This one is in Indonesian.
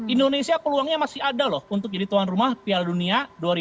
indonesia peluangnya masih ada loh untuk jadi tuan rumah piala dunia dua ribu dua puluh